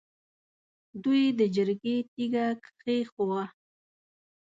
دوی د جرګې تیګه کېښووه.